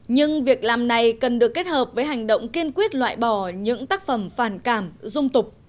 nhưng việc làm này cần được kết hợp với hành động kiên quyết loại bỏ những tác phẩm phản cảm dung tục